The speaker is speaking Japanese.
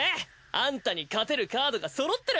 アンタに勝てるカードがそろってる。